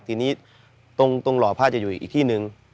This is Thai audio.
ทีนี้ตรงหล่อผ้าจะอยู่อีกที่หนึ่ง